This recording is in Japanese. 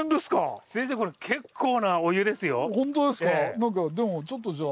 何かでもちょっとじゃあ。